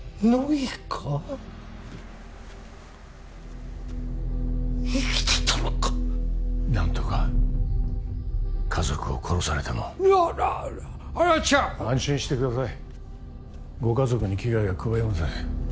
木か生きてたのか何とか家族を殺されてもいやあれは違う安心してくださいご家族に危害は加えません